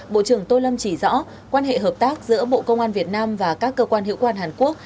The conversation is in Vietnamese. bộ trưởng tô lâm chỉ rõ quan hệ hợp tác giữa bộ công an việt nam và các cơ quan hiệu quan hàn quốc